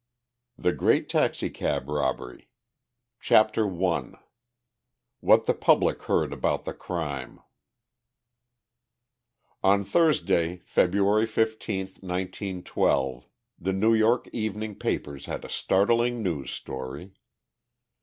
The Great Taxicab Robbery CHAPTER I WHAT THE PUBLIC HEARD ABOUT THE CRIME On Thursday, February 15, 1912, the New York evening papers had a startling news story.